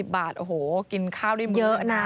๔๐บาทโอ้โหกินข้าวได้เมื่อนะ